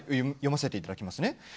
読ませていただきます。